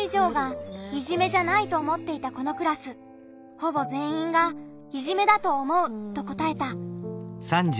ほぼ全員が「いじめだと思う」と答えた。